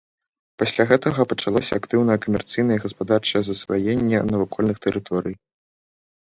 Пасля гэтага пачалося актыўнае камерцыйнае і гаспадарчае засваенне навакольных тэрыторый.